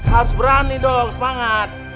harus berani dong semangat